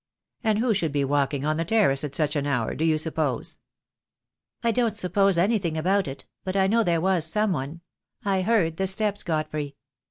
And who should be walking on the terrace at such an hour, do you suppose?" "I don't suppose anything about it, but I know there was some one. I heard the steps, Godfrey.